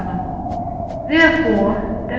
therefore (Def.